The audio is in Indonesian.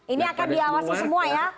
ini akan diawasi semua ya